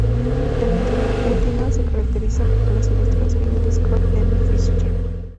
El interior última se caracteriza por las ilustraciones de Scott M. Fischer.